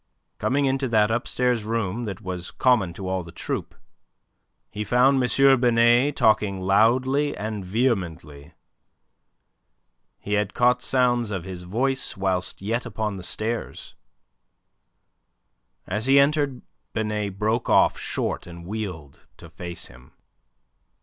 Coming into that upstairs room that was common to all the troupe, he found M. Binet talking loudly and vehemently. He had caught sounds of his voice whilst yet upon the stairs. As he entered Binet broke off short, and wheeled to face him.